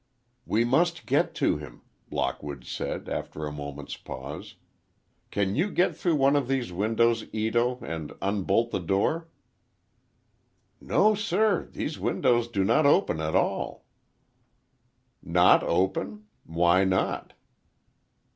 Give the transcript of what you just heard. "We must get to him," Lockwood said, after a moment's pause. "Can you get through one of these windows, Ito, and unbolt the door?" "No, sir; these windows do not open at all." "Not open? Why not?"